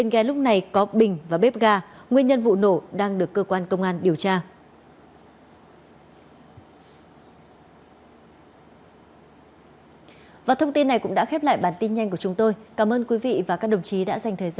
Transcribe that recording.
nguyên nhân vụ nổ đang được cơ quan công an điều tra